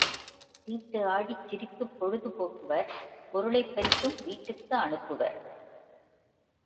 சீட்டு ஆடிச் சிரித்துப் பொழுதுபோக்குவர் பொருளைப் பறித்தும் வீட்டுக்கு அனுப்புவர்.